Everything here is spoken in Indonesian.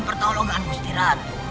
pertolongan gusti ratu